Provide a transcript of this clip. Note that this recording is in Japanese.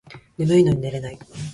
眠いのに寝れない